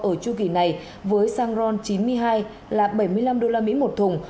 ở chu kỳ này với xăng ron chín mươi hai là bảy mươi năm đô la mỹ một thùng